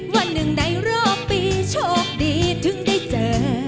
วันหนึ่งในรอบปีโชคดีถึงได้เจอ